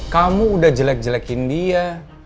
kamu udah jelek jelekin dia